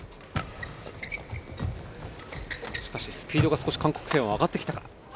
しかし、スピードが少し韓国ペアは上がってきたか。